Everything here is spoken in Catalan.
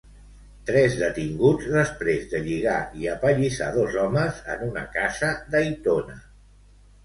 Tres detinguts després de lligar i apallissar dos homes en una casa d'Aitona.